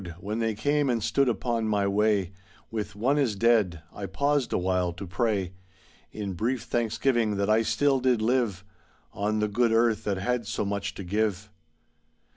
when they came and stood upon my way, With "One is dead," I paused awhile to pray, In brief thanksgiving that I still did live On the good earth that had so much to give.